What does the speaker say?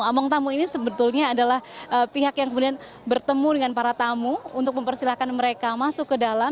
omong tamu ini sebetulnya adalah pihak yang kemudian bertemu dengan para tamu untuk mempersilahkan mereka masuk ke dalam